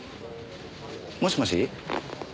もしもし？